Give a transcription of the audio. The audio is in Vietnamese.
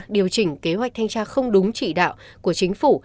điều chỉnh kế hoạch thanh tra không đúng chỉ đạo của chính phủ